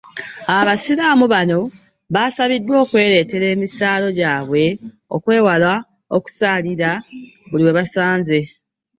Abasiraamu bano basabiddwa okwereetera emisaalo gyabwe okwewala okusaalira buli we basanze